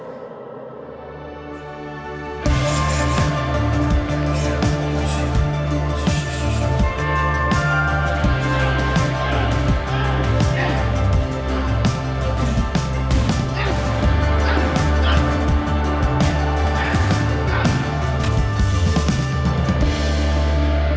ก็พูดว่าวันนี้มีคนจะมาวางยานักมัวให้ระวังดีนะครับ